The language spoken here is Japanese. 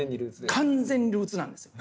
完全にルーツなんですよ。